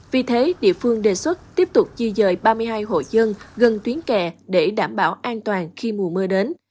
vì thế địa phương đề xuất tiếp tục di dời ba mươi hai hộ dân gần tuyến kè để đảm bảo an toàn khi mùa mưa đến